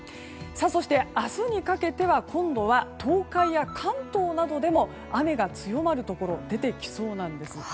そして明日にかけては今度は東海や関東などでも雨が強まるところが出てきそうなんです。